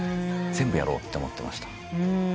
全部やろうと思ってました。